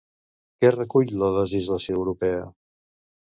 Què recull la legislació europea?